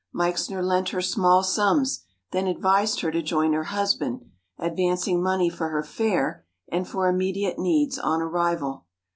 Meixner lent her small sums, then advised her to join her husband, advancing money for her fare and for immediate needs on arrival.